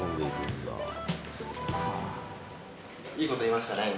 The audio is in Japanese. いいこと言いましたね、今。